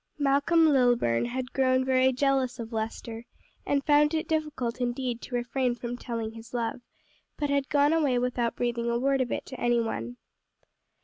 Malcom Lilburn had grown very jealous of Lester, and found it difficult indeed to refrain from telling his love, but had gone away without breathing a word of it to any one.